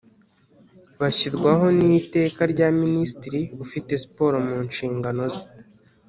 Bashyirwaho n iteka rya minisitiri ufite siporo mu nshingano ze